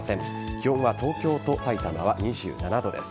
気温は東京とさいたまは２７度です。